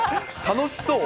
楽しそう。